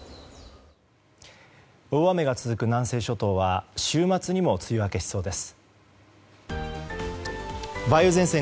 大雨が続く南西諸島は週末にも梅雨明けしそうです。